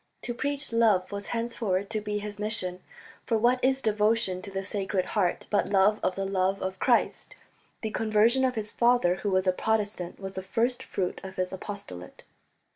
To preach love was henceforward to be his mission, for what is devotion to the Sacred Heart but love of the love of Christ? The conversion of his father, who was a Protestant, was the first fruit of his apostolate.